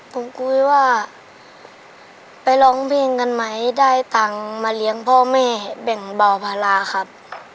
ผมคุยว่าไปร้องเพลงกันไหมได้ตังค์มาเลี้ยงพ่อแม่แบ่งเบาภาระครับ